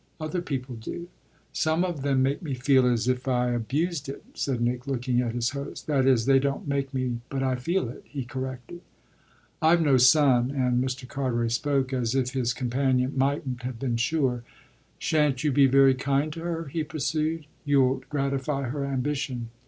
Other people do." "Some of them make me feel as if I abused it," said Nick, looking at his host. "That is, they don't make me, but I feel it," he corrected. "I've no son " and Mr. Carteret spoke as if his companion mightn't have been sure. "Shan't you be very kind to her?" he pursued. "You'll gratify her ambition."